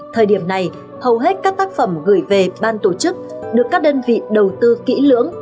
thời điểm này hầu hết các tác phẩm gửi về ban tổ chức được các đơn vị đầu tư kỹ lưỡng